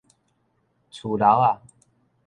趨樓仔